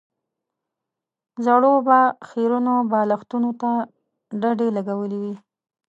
زړو به خيرنو بالښتونو ته ډډې لګولې وې.